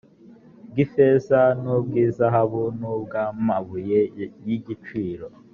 bw ifeza n ubw izahabu n ubw amabuye y igiciro